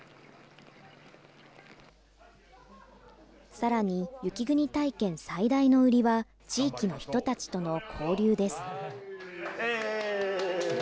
さらに、雪国体験最大の売りは、地域の人たちとの交流です。